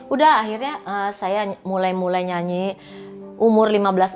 udah akhirnya saya mulai mulai nyanyi umur lima belas tahun